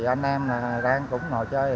anh em đang cũng ngồi chơi